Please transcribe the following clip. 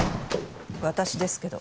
私ですけど。